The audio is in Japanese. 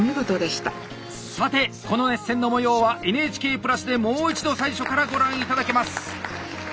さてこの熱戦の模様はＮＨＫプラスでもう一度最初からご覧いただけます。